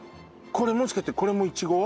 これもしかしてこれもイチゴ？